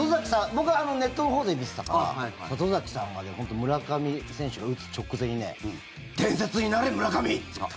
僕はネットのほうで見てたから里崎さんは村上選手が打つ直前に伝説になれ村上！って言った。